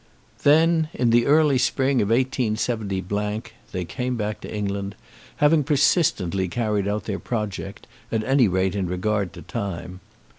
Then, in the early spring of 187 , they came back to England, having persistently carried out their project, at any rate in regard to time.